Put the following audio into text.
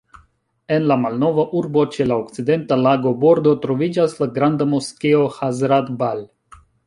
En la malnova urbo, ĉe la okcidenta lagobordo, troviĝas la granda moskeo Hazrat-Bal.